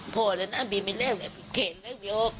โผล่เลยนะบีมีแรกเลยออก